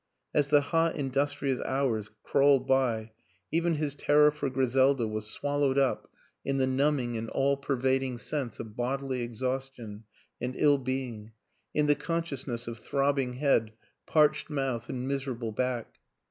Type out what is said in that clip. As the hot, industrious hours crawled by even hii terror for Griselda was swallowed u WILLIAM AN ENGLISHMAN 123 in the numbing and all pervading sense of bodily exhaustion and ill being, in the consciousness of throbbing head, parched moutlji and miserable back.